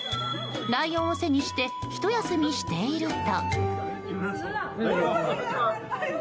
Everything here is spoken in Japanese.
ライオンを背にしてひと休みしていると。